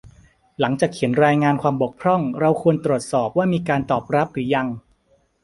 หลังจากเขียนรายงานความบกพร่อง เราควรตรวจสอบว่ามีการตอบรับหรือยัง